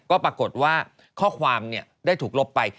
ก็ปรากฏว่าข้อความได้ถูกลบไป